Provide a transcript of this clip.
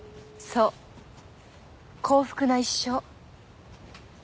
そう幸福な一生。